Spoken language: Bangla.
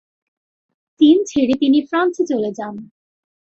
চীন ছেড়ে তিনি ফ্রান্সে চলে যান।